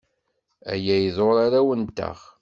Aya iḍurr arraw-nteɣ.